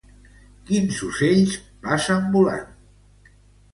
Quins ocells passen volant?